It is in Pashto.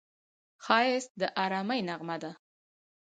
ښایست د ارامۍ نغمه ده